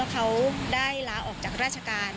ก็ได้ล้าออกจากราชกาลแล้ว